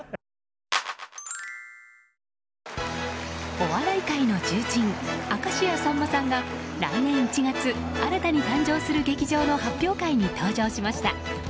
お笑い界の重鎮明石家さんまさんが来年１月、新たに誕生する劇場の発表会に登場しました。